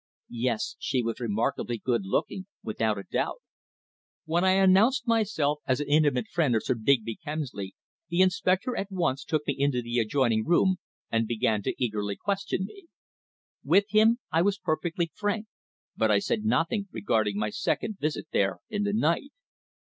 Yes, she was remarkably good looking, without a doubt. When I announced myself as an intimate friend of Sir Digby Kemsley, the inspector at once took me into the adjoining room and began to eagerly question me. With him I was perfectly frank; but I said nothing regarding my second visit there in the night.